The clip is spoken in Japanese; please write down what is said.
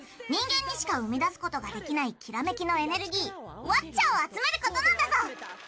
人間にしか生み出すことができないきらめきのエネルギーワッチャを集めることなんだぞ。